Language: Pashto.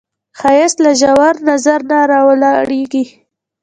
ښایست له ژور نظر نه راولاړیږي